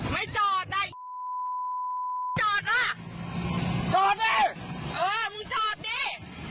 ไม่จอดนะจอดนะจอดดิเออมึงจอดดิ